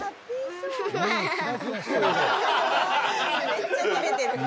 めっちゃ照れてる。